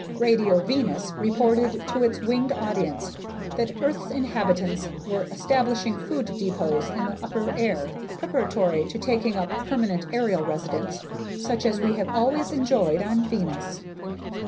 Radio Venus reported to its winged audience that Earth's inhabitants were establishing food depots in the upper air, preparatory to taking up permanent aerial residence "such as we have always enjoyed on Venus."